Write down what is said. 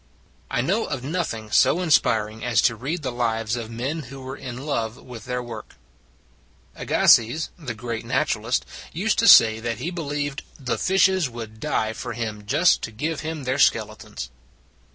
I know of nothing so inspiring as to read the lives of men who were in love with their work. Agassiz, the great naturalist, used to say that he believed " the fishes would die for him just to give him their skeletons."